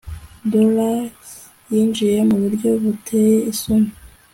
dallas yinjiye mu buryo buteye isoni